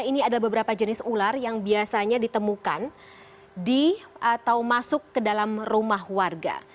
ini adalah beberapa jenis ular yang biasanya ditemukan atau masuk ke dalam rumah warga